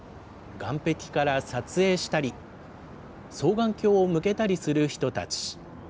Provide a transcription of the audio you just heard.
岸壁から撮影したり、双眼鏡を向けたりする人たち。